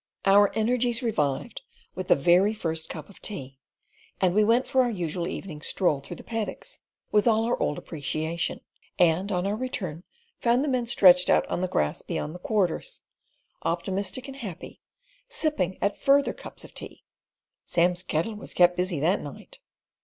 Our energies revived with the very first cup of tea, and we went for our usual evening stroll through the paddocks, with all our old appreciation; and on our return found the men stretched out on the grass beyond the Quarters, optimistic and happy, sipping at further cups of tea. (Sam's kettle was kept busy that night.)